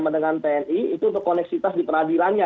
dengan tni itu untuk koneksitas di peradilannya